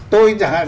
tôi chẳng hạn